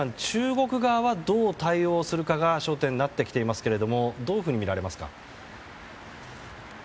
中国側は、どう対応するかが焦点になってきていますがどういうふうにみられますか？